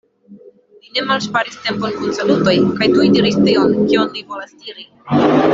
Li ne malŝparis tempon kun salutoj, kaj tuj diris tion, kion li volas diri.